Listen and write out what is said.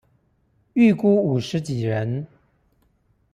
預估五十幾人